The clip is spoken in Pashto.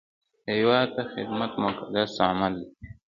هیواد ته خدمت مقدس عمل دی